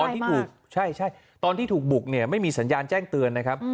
ที่ถูกใช่ตอนที่ถูกบุกเนี่ยไม่มีสัญญาณแจ้งเตือนนะครับ